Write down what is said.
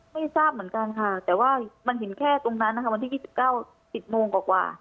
ไม่ทราบเหมือนกันค่ะแต่ว่ามันถึงแค่ตรงนั้นนะคะวันที่ยี่สิบเก้าสิบโมงกว่ากว่า